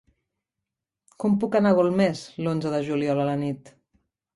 Com puc anar a Golmés l'onze de juliol a la nit?